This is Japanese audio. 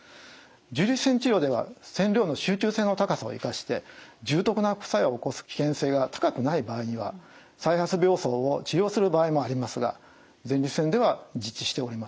重粒子線治療では線量の集中性の高さを生かして重篤な副作用を起こす危険性が高くない場合には再発病巣を治療する場合もありますが前立腺では実施しておりません。